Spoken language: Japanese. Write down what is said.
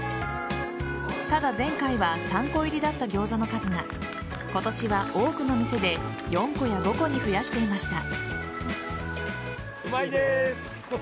ただ、前回は３個入りだったギョーザの数が今年は多くの店で４個や５個に増やしていました。